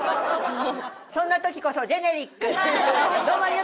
そんな時こそジェネリック！